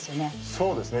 そうですね